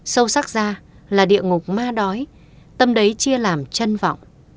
sâu sắc ra là địa ngục ma đói tâm đấy chia làm chân vọng